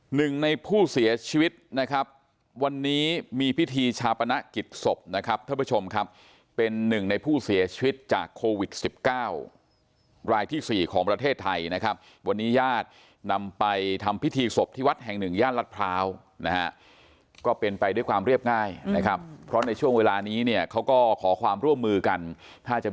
หนึ่งในผู้เสียชีวิตนะครับวันนี้มีพิธีชาปนกิจศพนะครับท่านผู้ชมครับเป็นหนึ่งในผู้เสียชีวิตจากโควิดสิบเก้ารายที่สี่ของประเทศไทยนะครับวันนี้ญาตินำไปทำพิธีศพที่วัดแห่งหนึ่งย่านรัฐพร้าวนะฮะก็เป็นไปด้วยความเรียบง่ายนะครับเพราะในช่วงเวลานี้เนี่ยเขาก็ขอความร่วมมือกันถ้าจะ